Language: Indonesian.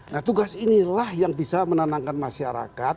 nah tugas inilah yang bisa menenangkan masyarakat